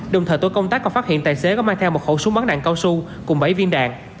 đồng thời tổ công tác còn phát hiện tài xế có mang theo một khẩu súng bắn đạn cao su cùng bảy viên đạn